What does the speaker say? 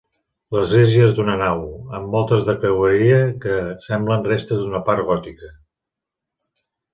L'església és d'una nau, amb voltes de creueria que semblen restes d'una part gòtica.